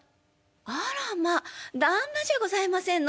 あらまっ旦那じゃございませんの。